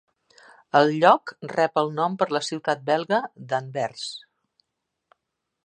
El lloc rep el nom per la ciutat belga d'Anvers.